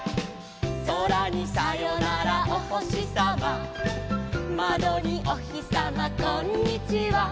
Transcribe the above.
「そらにさよならおほしさま」「まどにおひさまこんにちは」